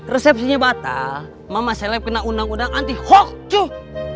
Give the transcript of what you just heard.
resepsinya batal mama saya kena undang undang anti hoax tuh